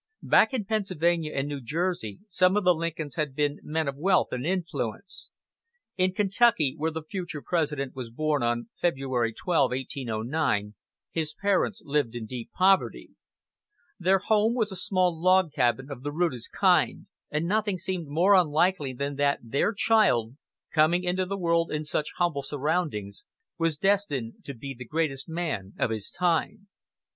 Back in Pennsylvania and New Jersey some of the Lincolns had been men of wealth and influence. In Kentucky, where the future President was born on February 12, 1809, his parents lived in deep poverty Their home was a small log cabin of the rudest kind, and nothing seemed more unlikely than that their child, coming into the world in such humble surroundings, was destined to be the greatest man of his time.